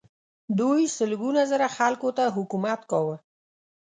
دوی سلګونه زره خلکو ته حکومت کاوه.